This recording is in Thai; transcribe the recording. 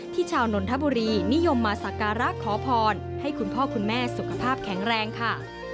ชาวนนทบุรีนิยมมาสักการะขอพรให้คุณพ่อคุณแม่สุขภาพแข็งแรงค่ะ